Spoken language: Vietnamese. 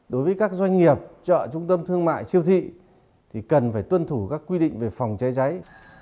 đối với các doanh nghiệp chợ trung tâm thương mại siêu thị thì cần phải tuân thủ các quy định về phòng cháy cháy